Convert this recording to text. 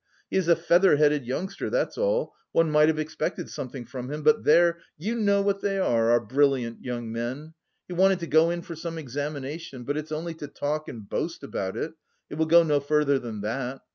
He is a feather headed youngster, that's all; one might have expected something from him, but there, you know what they are, our brilliant young men. He wanted to go in for some examination, but it's only to talk and boast about it, it will go no further than that.